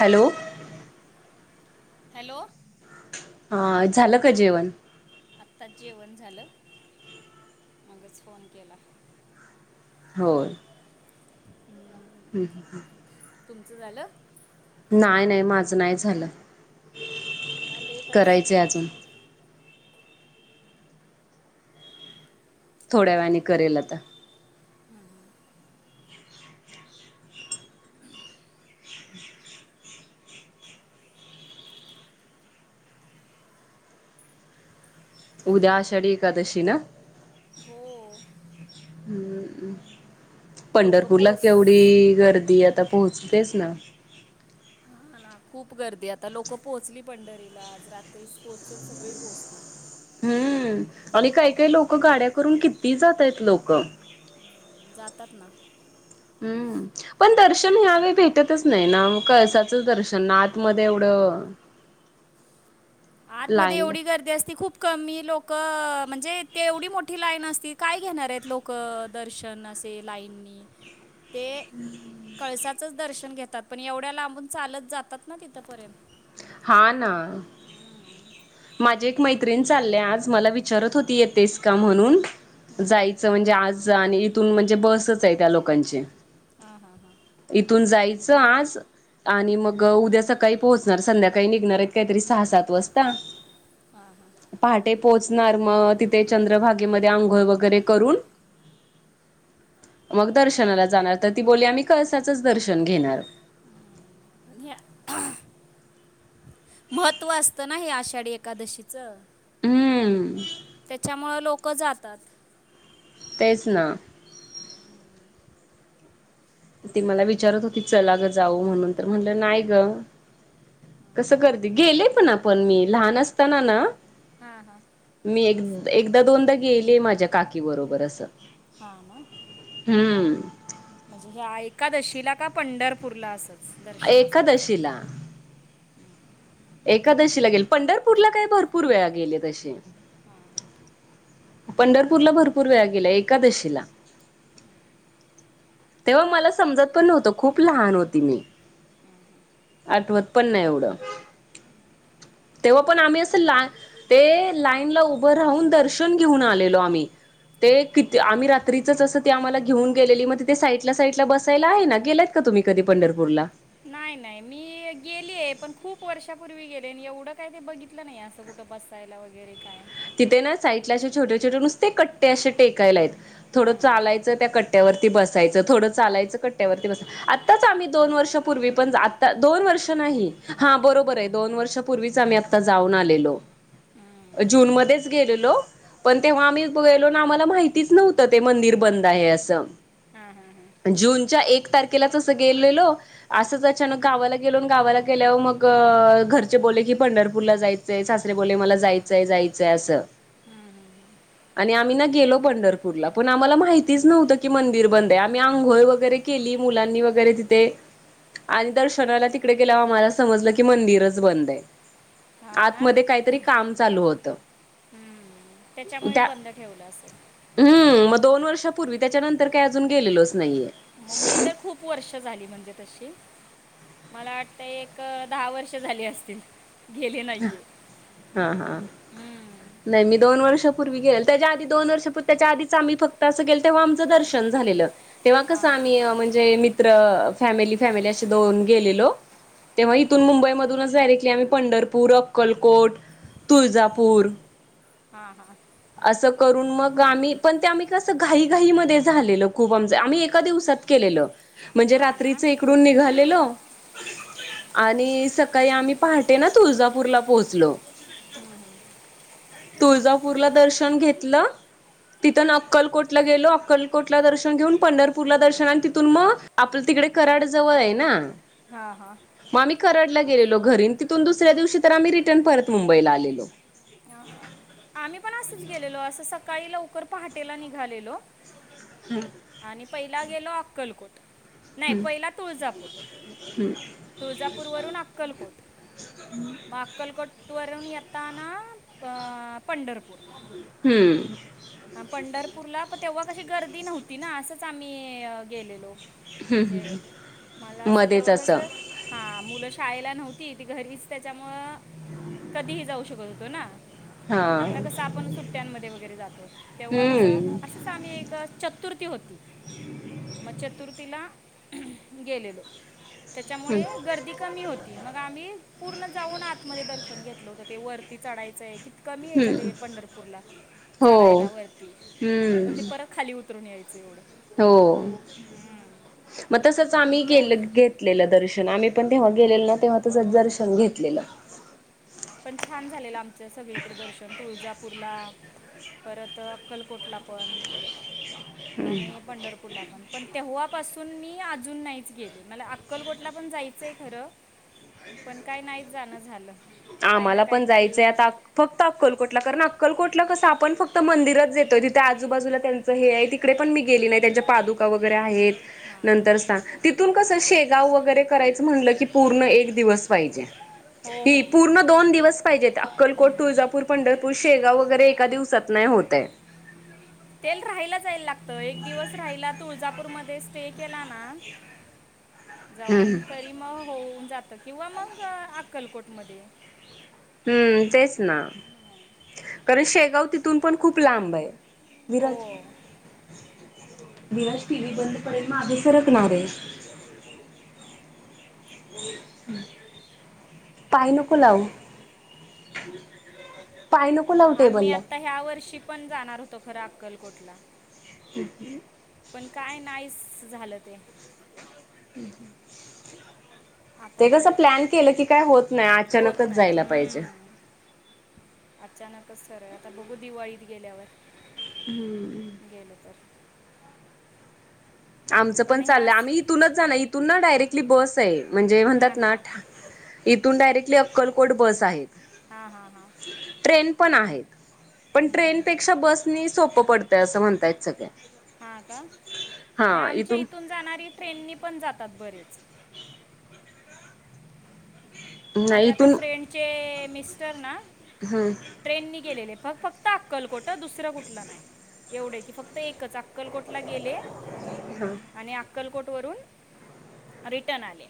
Hello. Hello. हा, झालं का जेवण? आत्ताच जेवण झालं. मगंच फोन केला. होय. हम्म. [unintelligible] तुमचं झालं? नाही नाही, माझं नाही झालं. हा लेट आज करायचं अजून. थोड्यावेळानी करेल आता. [unintelligible] उद्या आषाढी एकादशी ना? हो लोक पंढरपूरला पोच केवंढी गर्दी आता पोहोचतेच ना. ह ना, खूप गर्दी आता लोकं पोहोचली पंढरीला. आज रात्री पोहोचेल. सगळी पोहोचतील. हम्म आणि काही काही लोक गाड्या करून किती जातयं आहेत लोक. हम्म, जातात ना. हम्म. पण दर्शन ह्यावेळी भेटतच नाही ना, कळसाचं दर्शन आतमध्ये एवढं. आंतमध्यें लाईन ला एवढी गर्दी असती खूंप कमी लोकं म्हणजे ते एवढी मोठी लाईन असती कायं घेणारं आहेतं लोकं दर्शन असे लाईंनी ते कळसाचंच दर्शन घेतांत पणं एवढ्यां लांबूंन चालतं जातांत नां तिथंपर्यंत हां नां हम्मं माझे एक मैत्रीण चालले आंज मलां विचारतं होती येतेस कां म्हणूंन हम्म, हम्म. जायचं म्हणजे आंज आणि इथूंन म्हणजे बसचं आहे त्यां लोकांची हां हां हां इथूंन जायचं आंज आणि मंग उद्यां सकाळीं पोहोचणारं संध्याकाळी कांहीं निघणारं आहेतं कांहीं तरी सहा सात वाजतां हां हां पहाटे पोहोचणारं मंग तिथे चंद्रभागेमध्यें आंघोळ वगैरें करूंन मंग दर्शनांला जाणारं तरं ती बोलली आम्हीं कडसांचचं दर्शन घेणारं आणि महत्त्वं असतंना हे आषाढी एकादशीचं हम्मं त्यांच्यामुळे लोकं जातांत तेचं नां ती मलां विचारतं होती चलां गं जाऊं म्हणूंन तरं म्हटलं नाहीं गं कसं करते गेले पणं आपणं मी लहांन असतांना नां हां हां मी एक एकदाचं दोनदा चं गेलिये माझ्यां काकी बरोबर असं. हां नां. हम्मं. म्हणजे ह्यां एकादशीला कां पंढरपूरला असंच दर्शनांसाठी फक्तं. एकादशीला एकादशीला गेले, पंढरपूरला कायं भरंपूर वेळां गेले तशी. हम्मं पंढरपूरला भरंपूर वेळां गेले एकादशीला तेव्हां मलां समजतं पणं नव्हतं खूंप लहांन होती मी. आठवतं पणं नाहीं एवढं तेव्हां पणं आम्हीं असं लां ते लाईन लां उभं राहूंन दर्शन घेऊंन आलेलो आम्हीं. ते किती आम्हीं रात्रीचं असं ते आम्हांला घेऊंन गेलेली मंग तिथे साईडंला साईडंला बसायंला आहे नां, गेल्या जातां कां तुम्हीं कधीं पंढरपूंरला? नांय नांय मी गेलिये पणं खूंप वर्षापूर्वी गेले, एवढं कायं ते बघितलं नाहीं असं कुठे बसांयला वगैरें कायं. तिथे नां साईडंला असे छोटे छोटे नुसते कट्टे असे टेकायला आहेतं थोडं हां हां चालायचं त्यां कट्ट्यांवर ती बसायचं थोडं चालायचं कट्ट्यांवर ती बसायचं. आत्ताचं आम्हीं दोन वर्षांपूर्वी पणं आंता दोन वर्ष नाहीं हां बरोबर आहे दोन वर्षापूर्वीच आम्हीं आंता जाऊंन आलेलो. हम्म. जूंन मध्ये गेलो पणं तेंव्हां आम्हीं गेलो नां आम्हांला माहितीचं नव्हतं ते मंदिर बंद आहे असं. हां हां हां जूनच्यां एक तारखेला चं असं गेलेलो. असंच अचांनक गावांला गेलो, अनं गावांला गेल्यांवर मंग घरचे बोले की पंढरपूरला जायचंय सासरे बोलले मलां जायचंय जायचंय असं. हम्मं हम्मं आणि आम्ही नां गेलो पंढरपूरला, पण आम्हाला माहितीच नव्हतं की मंदिर बंदयं आम्ही आंघोळ वगैरे केली मुलांनी वगैरे तिथे आणि दर्शनाला तिकडे गेल्यावर आम्हाला समजलं की मंदिरच बंदयं हां आत ना मध्ये काहीतरी काम चालू होतं. हम्म. त्याच्यामुळेच बंद ठेवलं असेल. हुं मग दोन वर्षापूर्वी त्याच्यानंतर काही अजून गेलेलोच नाहीये. मग मी तर खूप वर्ष झाली म्हणजे तशी मला वाटतंय एक दहा वर्ष झाली असतील. गेले हां नाहीये हांहां हम्म. नाही मी दोन वर्षपूर्वी गेलते, त्याच्या आधी दोन वर्ष परत त्याच्या आधीच आम्ही फक्त असं गेले, तेव्हा आमचं दर्शन झालेलं. तेव्हा हा कसं आम्ही म्हणजे मित्र फॅमिली, फॅमिली अशी दोन गेलेलो तेव्हा हा इथून मुंबईमधूनच डायरेक्टली आम्ही पंढर पूर, अक्कलकोट, तुळजापूर हां हां. अंस करून मग आम्ही पण ते आम्ही कसं घाई घाई मध्ये झालेलं खूप आमचं आम्ही एका दिवसात केलेलं, म्हणजे हा ना रात्रीच इकडून निघालेलो आणि सकाळी आम्ही पहाटे नां तुळजापूरला पोहोचलो. तुळजापूरला दर्शन घेतलं तिथून अक्कलकोटला गेलो, अक्कलकोटला दर्शन घेऊन, पंढरपूरला दर्शन आणि तिथून म आपलं तिकडे कराड जवळायं नां हां हां. म आम्ही करडला गेलेलो घरी, तिथून दुसऱ्या दिवशी तर आम्ही रिटर्न परत मुंबईला आलेलो. हां. आम्ही पण असंच गेलेलो, असं सकाळी लवकर पहाटेला निघालेलो हां. आणि पहिला गेलो अक्कलकोट, नाय हम्म पहिला तुळजापूर तुळजापूरवरून आक्कलकोट, मग आक्कलको टवरून येताना पंढरपूर हुं. हां पंढरपूरला प तेव्हा कशी गर्दी नव्हती ना असंच आम्ही अं गेलेलो. हम्म म्हणजे, मला हम्म असं मध्येच तेव्हा कसं हां मुलं शाळेला नव्हती ती घरीच त्याच्यामुळं कधीही जाऊ शकत होतो नां हा आता कसं आपण सुट्ट्यांनमध्ये वगैरे जातो तेव्हा कसं हम्म असतच आम्ही एक चतुर्थी होती म चतुर्थीला गेलेलो हम्म त्याच्यामुळे गर्दी कमी हो ते मग आम्ही पूर्ण जाऊन आतमध्ये दर्शन घेतलं होत ते वरती चढायचंय कमीयं का ते हम्म पंढरपूरला हो चढायला वरती आणि मग ते परत खाली उतरून यायचं एवढं हों हम्म. मग तसंच आम्ही मग तेवढं गेलत घेत घेतलं दर्शन आम्ही पण तेव्हा गेलेलो ना तेव्हा तच दर्शन घेतलेलं. पण छान झालेलं आमचं सगळीकडं दर्शन तुळजापूरला परत अक्कलकोटला पण आणि पंढरपूरला पण पण तेव्हापासून मी अजून नाहीच गेली मला अक्कलकोटला पण जायचं आहे खरं. पण काय नाही जाणं झालं काही आम्हाला ना पण काहीतरी जायचंय आता फक्त अक्कलकोटला कारण अक्कलकोटला कसं आपण फक्त मंदिरच जातोय तिथे आजूबाजूला हे आहे तिकडे पण मी गेली नाही त्यांच्या पादुका वगैरे आहेत हां नंतर सांग तीथून कस शेगाव वगैरे कराय म्हणलं की पूर्ण एक दिवस पाहिजे. हो ही हो पूर्ण दोन दिवस पाहिजेत अक्कलकोट, हम्म. तुळजापूर, पंढरपूर, शेगाव वगैरे एका दिवसात नाही होतय. तेल राहायला जायला लागत एक दिवस राहिला तर तुळजापूरमध्ये स्टे केला ना हम्म जाऊन तरी मग होऊन जात किंवा मग अक्कलकोट मध्ये हम्म तेच ना कारण शेगाव तिथून पण खूप लांब आहे. विराज हो विराज टी वही बंद पडेल. मागे सरकणारे. पाय नको लाऊ. पाय नको लावू आम्ही टेबलला आता ह्या वर्षी पण जाणार होतो खरं अक्कलकोटला. हे [inaudible] पण काय नाहीस झालं ते. [inaudible] आता ते कसं बघू, प्लॅन केलं की काय होत नाही होत अचानकच नाही. जायला पाहिजे हम्म.. अचानकच ठरय आता बघू दिवाळीत गेल्यावर हम्म.. गेलो तर.. आमचं पण हे चाललंय अस आम्ही इथूनच जाणार इथून ना डायरेक्टली बस आहे म्हणजे हां म्हणतात ना हां इथून डायरेक्टली अक्कलकोट बस आहेत हा हा हा.. ट्रेन पण आहेत पण ट्रेनपेक्षा बस [inaudible] सोपं पडतय असं म्हणतायेत सगळे हा का नाही आमच्या इथून जाणारी ट्रेननी पण जातात बरेच नाही माझ्या आता इथून फ्रेंडचे मिस्टर ना हम्म.. ट्रेननी गेलेले बग, फक्त अक्कलकोटं दुसरं कुठलं नाही. एवढे की फक्त एकच अक्कलकोटला गेले हा.. आणि अक्कलकोटवरून रिटर्न आले.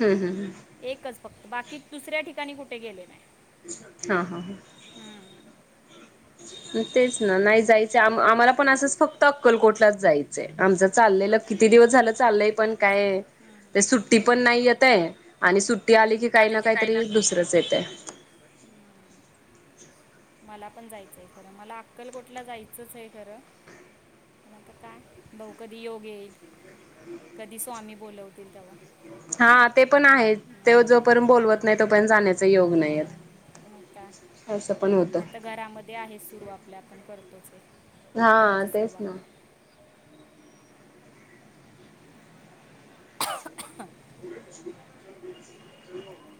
हम् हम् ह. एकच फक्त बाकी दुसऱ्या ठिकाणी कुठे गेले नाही. हा हा ह.. हम्म. तेच ना नाही जायचं आ आम्हाला पण असंच फक्त अक्कलकोटलाच जायचंय आमचं चाललेलं किती दिवस झालं चाललय पण काय ते सुट्टी पण नाही येतय. आणि सुट्टी आली की काही ना काही तरी दुसरंच येतय. मला पण जायचंय खरं मला अक्कलकोटला जायचंच आहे खरं. पण आता काय बघू कधी योग येईल कधी स्वामी बोलवतील तेव्हा. हा ते पण आहे ते जोपर्यंत बोलवत नाही तोपर्यंत जाण्याचे योग नाहीेत मग काय नाहीतर घरामध्ये आहे सुरू आपल्या आपण करतोच आहे हा त्यांची तेच सेवा. ना [unintelligible]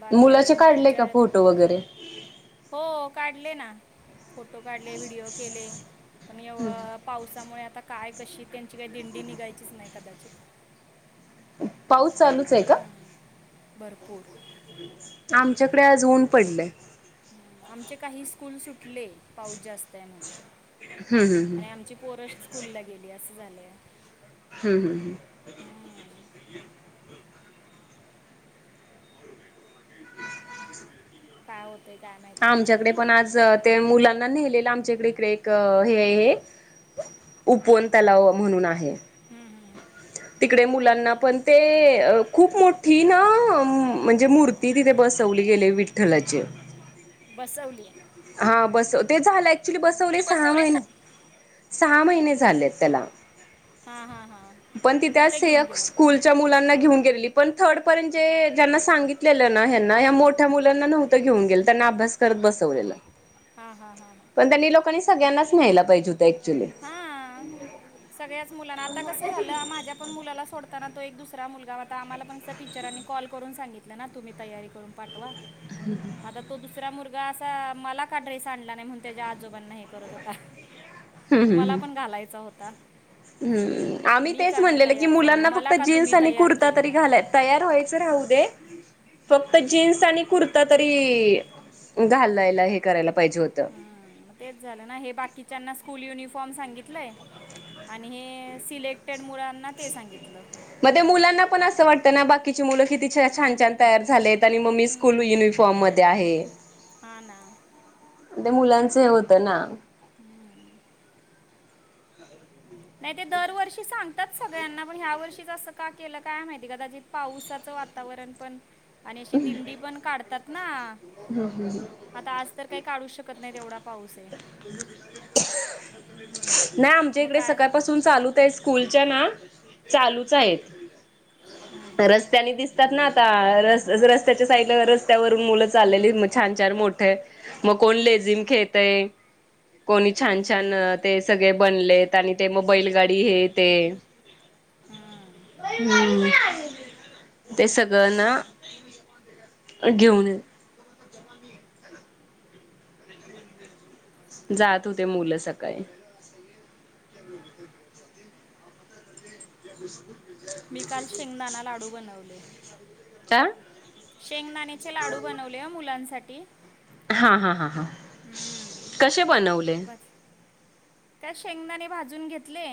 बाकी मुलाचे अजून काढलेय का तुमच्याकडे फोटो वगैरे. हो काढले ना, फोटो काढले व्हिडिओ केले. पण एव पावसामुळे, आता काय कशी त्यांची काही दिंडी निघायचीच नाही कदाचित. पाऊस चालूच आहे का. भरपूर. आमच्याकडे आज ऊन पडलय. आमचे काही स्कूल सुटले, पाऊस जास्त आहे म्हणून. हम्, हम्, ह. आणि आमची पोरं स्कूलला गेली असं झालंय. हम्, हम्, ह. काय होतेय काय माहित. आमच्याकडे पण आज ते मुलांना नेलेल, आमच्याकडे इकडे एक हे हे उपवन तलाव म्हणून आहे. हम्म, हम्म, हम्म. तिकडे मुलांना पण ते अ खूप मोठी ना म्हणजे, मूर्ती तिथे बसवली गेलीय विठ्ठलाची. बसवलीय. हा, बसव ते झालं, ऍक्च्युली बसवले सहा महिने सहा महिने झाले त्याला, हां हां हां पण तिथ मग तिथे घेऊन एक गेले स्कूल मुलांना घेऊन गेलेली. पण थर्ड पर्यंत, जे ज्यांना सांगितलेले ना ह्यांना या मोठ्या मुलांना नव्हत ते घेऊन गेल, त्यांना अभ्यास करत बसवलेलं हा, हा, हा, हा. पण त्यांनी लोकांनी सगळ्यांनाच न्यायला पाहिजे होतं. ऍक्च्युली हा सगळ्याच मुलांना आता कसं झालं, माझ्या पण मुलाला सोडताना तो एक दुसरा मुलगा होता. आम्हाला पण टीचरांनी कॉल करून सांगितलं ना, तुम्ही तयारी करून पाठवा. हम्. आता तो दुसरा मुलगा असा मला का ड्रेस आणला नाही, म्हणून त्याच्या आजोबांना हे करत होता. मला पण घालायचा होता. ह्, आम्ही मी तेच का नाही म्हणलेल, की तयार झालो मुलांना फक्त मला का जीन्स तुम्ही आणि तयार कुर्ता केलं तरी नाही घालायचं. तयार व्हायचं राहुदे. फक्त जीन्स आणि कुर्ता तरी घालायला, हे करायला पाहिजे होतं. हं, मग तेच झालं ना हे बाकीच्यांना स्कूल युनिफॉर्म सांगितलंय आणि हे सिलेक्टेड मुलांना ते सांगितलं. मग तेमुलांना पण असं वाटतं ना, बाकीची मुलं किती छान छान तयार झालेत. आणि मग मी स्कूल हम्म, युनिफॉर्म मध्ये आहे. हा ना. ते मुलांचं हे होतं ना. हम्म. नाही, ते दरवर्षी सांग तात सगळ्यांना. पण ह्या वर्षीच असं का केलं काय माहिती कदाचित पावसाचं वातावरण पण आणि अशी दिंडी पण काढतात ना. हम्म, हम्म, हम्म. आता आज तर काही काढू शकत नाही, एवढा पाऊस आहे हम्म. नाही, आमच्या मग इकडे काय सकाळ पासून चालूच आहे. स्कूलच्या ना चालूच आहेत. हम्म, हम्म. रस्त्याने दिसतात ना आता. रस्त्याच्या साईड रस्त्यावरून मुलं चाललेली मग हम्म, छान, छान मोठे मग कोण लेझिम खेळेतय कोणी छान, हम्म, छान ते सगळे बनलेत आणि ते मग बैलगाडी हे ते हम्म. हम्म ते सगळ्यांना घेऊन य [unintelligible] जात होते मुलं सकाळी [unintelligible] [unintelligible] मी काल शेंगदाणा लाडू बनवले आ शेंगदाणेचे लाडू बनवले ओ मुलांसाठी हां, हां, हां, हां हम्म. कसे बनवले बस काय शेंगदाने भाजून घेतले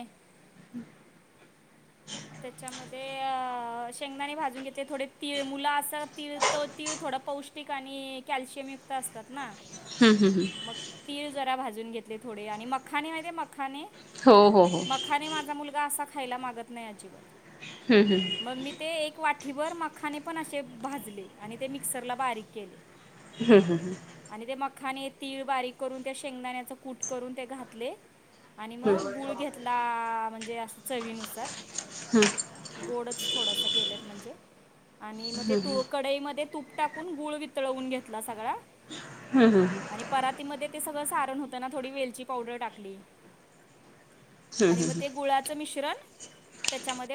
[unintelligible] त्याच्यामध्ये शेंगदाणे भाजून घेतले थोडे तीळ मुलं असं तीळ तर तिळ थोडं पौष्टिक आणि कॅल्शियमयुक्त असतात ना हम, हम, हम मग तीळ जरा भाजून घेतले थोडे आणि मखाने माहिती मखाने हो हो हो मखाने माझा मुलगा असा खायला मागत नाही अजिबात हम्म, हम्म मग मी ते एक वाटीभर मखाने पण असे भाजले आणि ते मिक्सरला बारीक केले हम, हम ह आणि ते मखाने, तीळ बारीक करून त्या शेंगदाण्याचा कूट करून ते घातले आणि मग गूळ घेतला आ म्हणजे असं चवीनुसार हम्म गोडच थोडस केलेत म्हणजे आणि मग ते तू कडईमध्ये तुप टाकून गुळ वितळवून घेतला सगळा हम, हम आणि परातीमध्ये ते सगळं सारण होतं ना थोडी वेलची पावडर टाकली आणि मग हम्म ते गुळाच मिश्रण त्याच्यामध्ये